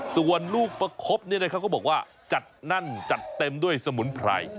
ส่วนลูกประคบเนี่ยนะครับเขาก็บอกว่าจัดนั้นจัดเต็มด้วยสมุนไพร